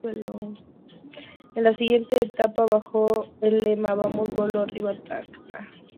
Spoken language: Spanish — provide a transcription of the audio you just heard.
En la siguiente etapa bajo el lema ""¡Vamos Bolo!...¡Arriba Tacna!